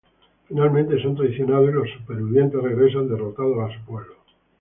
Finalmente son traicionados y los sobrevivientes regresan derrotados a su pueblo.